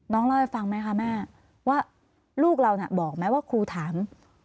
เล่าให้ฟังไหมคะแม่ว่าลูกเราน่ะบอกไหมว่าครูถาม